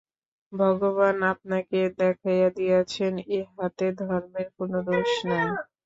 ভগবান আমাকে দেখাইয়া দিয়াছেন, ইহাতে ধর্মের কোন দোষ নাই।